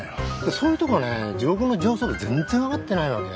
そういうとこねえ地獄の上層部全然分かってないわけ。